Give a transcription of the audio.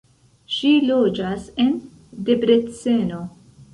Ŝi loĝas en Debreceno.